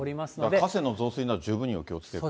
河川の増水など十分にお気をつけください。